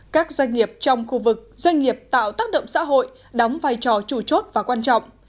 các doanh nghiệp trong khu vực doanh nghiệp tạo tác động xã hội đóng vai trò chủ chốt và quan trọng